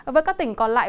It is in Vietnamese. với các tỉnh còn lại